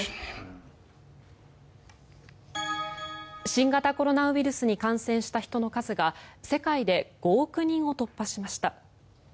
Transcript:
新型コロナウイルスに感染した人の数が世界で５億人を突破しました。